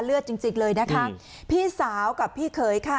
จริงจริงเลยนะคะพี่สาวกับพี่เขยค่ะ